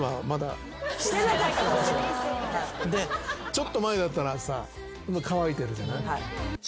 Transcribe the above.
ちょっと前だったら乾いてるじゃない。